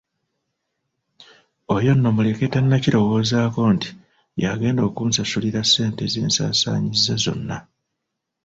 Oyo nno muleke tannakirowoozaako nti yagenda okunsasulira ssente zensaasaanyizza zonna.